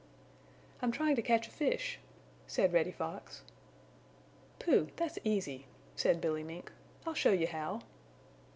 "I'm trying to catch a fish," said Reddy Fox. "Pooh! That's easy!" said Billy Mink. "I'll show you how."